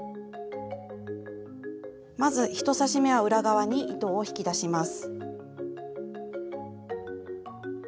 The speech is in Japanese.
まず１刺し目は裏側に糸を引き出します。